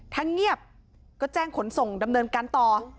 ถ้าเงียบก็แจ้งขนส่งดำเนินการต่อ